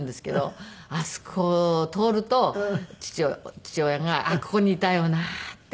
あそこを通ると父親がここにいたよなって